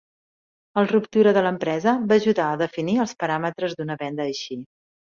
El ruptura de l'empresa va ajudar a definir els paràmetres d'una venda així.